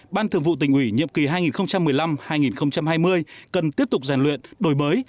ban thường vụ tỉnh ủy nhiệm kỳ hai nghìn một mươi năm hai nghìn hai mươi cần tiếp tục rèn luyện đổi mới